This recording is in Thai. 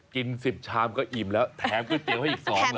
กิน๑๐ชามก็อิ่มแล้วแถมก๋วยเตี๋ยวให้อีก๒๐๐